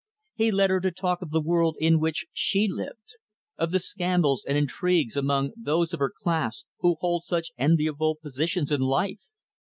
He led her to talk of the world in which she lived of the scandals and intrigues among those of her class who hold such enviable positions in life.